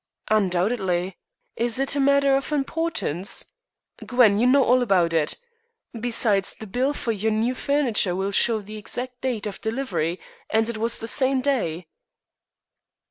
"Undoubtedly. Is it a matter of importance? Gwen, you know all about it. Besides, the bills for your new furniture will show the exact date of delivery, and it was the same day."